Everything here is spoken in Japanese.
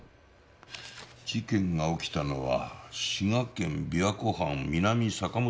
事件が起きたのは「滋賀県琵琶湖畔南阪本